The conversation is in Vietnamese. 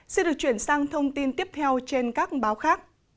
xin được chuyển sang thông tin tiếp theo trên các báo khác